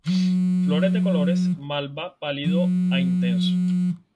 Flores de colores malva pálido a intenso.